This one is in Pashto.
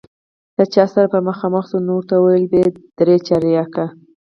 له چا سره به مخامخ شو، نو ورته ویل به یې درې چارکه.